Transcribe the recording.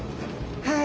はい。